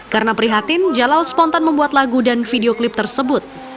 karena prihatin jalal spontan membuat lagu dan videoclip tersebut